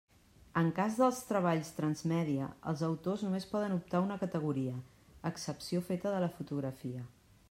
En cas dels treballs transmèdia, els autors només poden optar a una categoria, excepció feta de la fotografia.